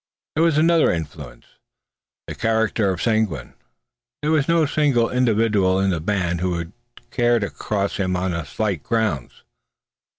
There was another influence: the character of Seguin. There was no single individual in the band who cared to cross him on slight grounds.